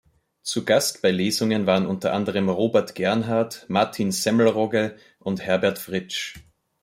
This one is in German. Zu Gast bei Lesungen waren unter anderem Robert Gernhardt, Martin Semmelrogge und Herbert Fritsch.